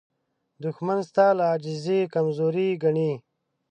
دښمن ستا له عاجزۍ کمزوري ګڼي